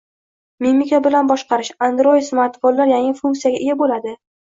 Mimika bilan boshqarish. Android smartfonlar yangi funksiyaga ega bo‘ladi